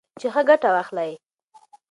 چې ښه ګټه واخلئ.